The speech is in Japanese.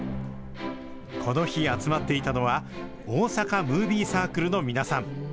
この日、集まっていたのは、大阪ムービーサークルの皆さん。